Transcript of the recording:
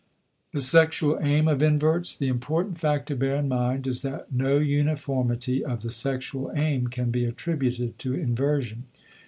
*The Sexual Aim of Inverts.* The important fact to bear in mind is that no uniformity of the sexual aim can be attributed to inversion.